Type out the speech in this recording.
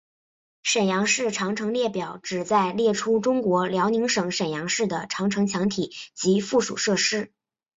沈阳市长城列表旨在列出中国辽宁省沈阳市的长城墙体及附属设施。